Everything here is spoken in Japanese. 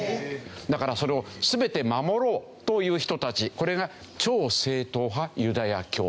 だからそれを全て守ろうという人たちこれが超正統派ユダヤ教徒。